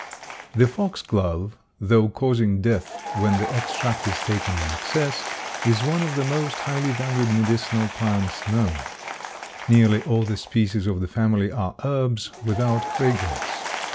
The foxglove, though causing death when the extract is taken in excess, is one of the most highly valued medicinal plants known. Nearly all the species of the family are herbs, without fragrance.